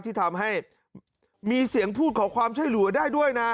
ที่ทำให้มีเสียงพูดขอความช่วยเหลือได้ด้วยนะ